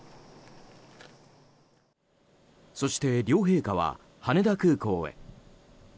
そして両陛下は羽田空港へ。